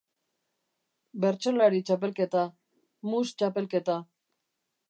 Bertsolari txapelketa, mus txapelketa.